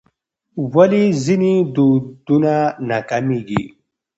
ولې ځینې ودونه ناکامیږي؟